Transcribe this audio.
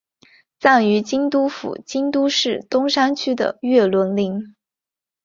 葬于京都府京都市东山区的月轮陵。